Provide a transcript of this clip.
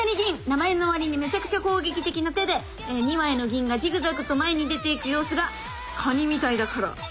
名前のわりにめちゃくちゃ攻撃的な手で２枚の銀がジグザグと前に出ていく様子がカニみたいだから。